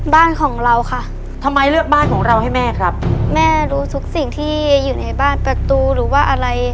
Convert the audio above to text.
บ้านของเราค่ะทำไมเลือกบ้านของเราให้แม่ครับแม่รู้ทุกสิ่งที่อยู่ในบ้านประตูหรือว่าอะไร